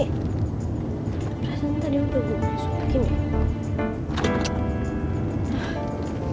presen tadi udah gue masukin ya